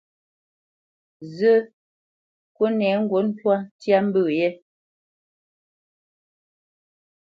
Zə́, kúnɛ ŋgǔt ntwâ ntya mbə̄ yɛ́.